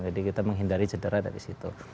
jadi kita menghindari cedera dari situ